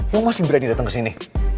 lo masih berani datang kesini